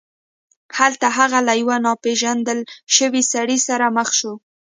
هلته هغه له یو ناپيژندل شوي سړي سره مخ شو.